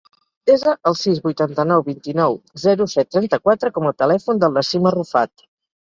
Desa el sis, vuitanta-nou, vint-i-nou, zero, set, trenta-quatre com a telèfon del Nassim Arrufat.